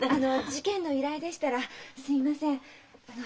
事件の依頼でしたらすみませんあの。